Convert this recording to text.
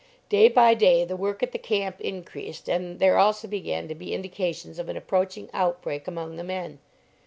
Day by day the work at the camp increased, and there also began to be indications of an approaching outbreak among the men.